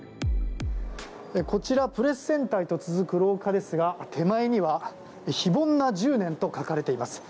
こちら、プレスセンターへと続く廊下ですが手前には「非凡な１０年」と書かれています。